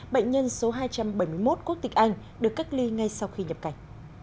bệnh nhân số hai trăm bảy mươi một quốc tịch anh được cách ly ngay sau khi nhập cảnh